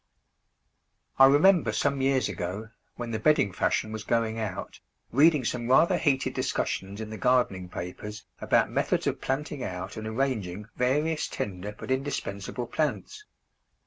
I remember some years ago, when the bedding fashion was going out, reading some rather heated discussions in the gardening papers about methods of planting out and arranging various tender but indispensable plants.